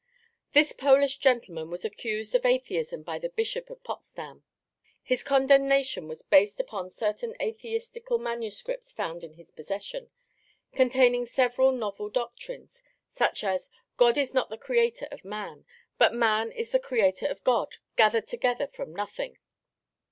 This Polish gentleman was accused of atheism by the Bishop of Potsdam. His condemnation was based upon certain atheistical manuscripts found in his possession, containing several novel doctrines, such as "God is not the creator of man; but man is the creator of a God gathered together from nothing."